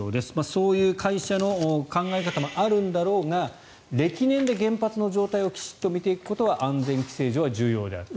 そういう会社の考え方もあるんだろうが暦年で原発の状態をきちんと見ていくことが安全規制上は重要である。